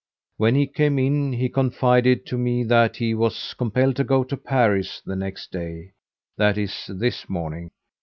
When he came in he confided to me that he was compelled to go to Paris the next day, that is, this morning.